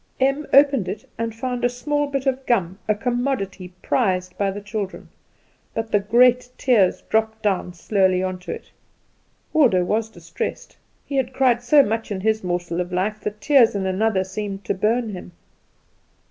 Em opened it and found a small bit of gum, a commodity prized by the children; but the great tears dropped down slowly on to it. Waldo was distressed. He had cried so much in his morsel of life that tears in another seemed to burn him.